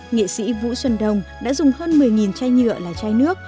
nghệ sĩ vũ xuân đông đã dùng hơn một mươi chai nhựa là chai nước